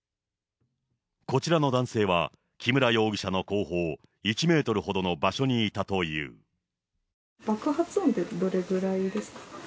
こちらの男性は木村容疑者の後方１メートルほどの場所にいた爆発音ってどれぐらいですか。